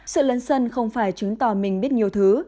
sự lấn sân không phải chứng tỏ mình biết nhiều thứ